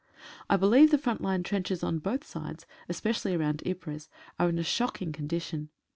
I believe the front line trenches on both sides, especially round Ypres, are in a shocking condition.